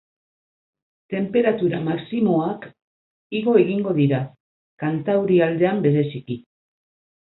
Tenperatura maximoak igo egingo dira, kantaurialdean bereziki.